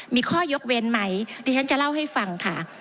มีข้อยกเว้นไหมดิฉันจะเล่าให้ฟังค่ะ